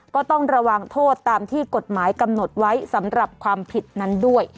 ก็ต้องระวังโทษตามที่กฎหมายกำหนดไว้สำหรับความผิดนั้นด้วย